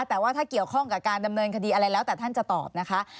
แต่ว่าถ้าเกี่ยวข้องกับการดำเนินคดีอะไรแล้วแต่ท่านจะตอบนะคะ